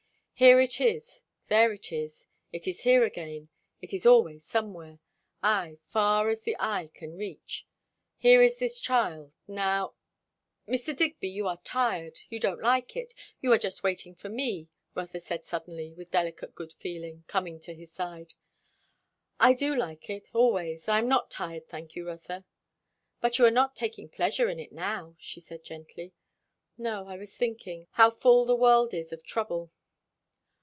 Here it is, there it is, it is here again, it is always somewhere; ay, far as the eye can reach. Here is this child, now, "Mr. Digby, you are tired you don't like it you are just waiting for me," Rotha said suddenly, with delicate good feeling, coming to his side. "I do like it, always. I am not tired, thank you, Rotha." "But you are not taking pleasure in it now," she said gently. "No. I was thinking, how full the world is of trouble."